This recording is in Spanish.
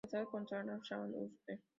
Casado con Sara Shaw Usher.